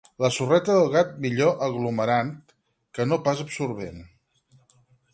La sorreta del gat millor aglomerant que no pas absorvent.